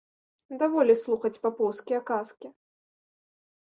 Даволі слухаць папоўскія казкі.